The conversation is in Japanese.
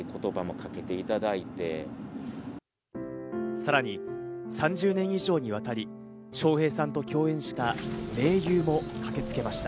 さらに３０年以上にわたり、笑瓶さんと共演した盟友も駆けつけました。